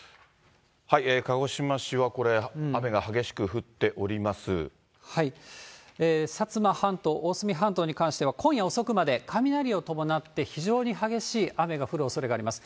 鹿児島市は、これ、雨が激しく降薩摩半島、大隅半島に関しては、今夜遅くまで雷を伴って、非常に激しい雨が降るおそれがあります。